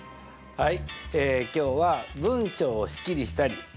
はい。